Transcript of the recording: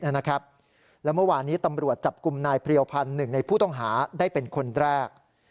แล้วเมื่อวานี้ตำรวจจับกลุ่มนายเพรียวพันธ์หนึ่งในผู้ต้องหาได้เป็นคนแรก